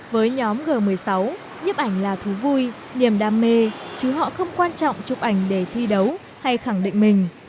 với nhóm g một mươi sáu nhiếp ảnh là thú vui niềm đam mê chứ họ không quan trọng chụp ảnh để thi đấu hay khẳng định mình